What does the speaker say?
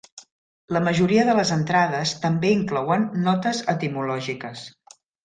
La majoria de les entrades també inclouen notes etimològiques.